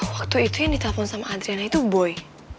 waktu itu yang ditelepon sama adriana itu boy